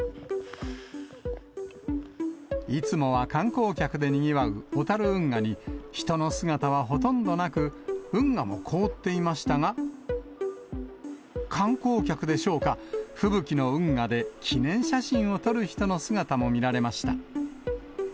いつもは観光客でにぎわう小樽運河に、人の姿はほとんどなく、運河も凍っていましたが、観光客でしょうか、吹雪の運河で記念写真を撮る人の姿も見られました。